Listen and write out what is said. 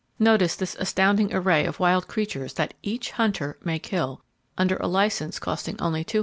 Notice this astounding array of wild creatures that each hunter may kill under a license costing only $250!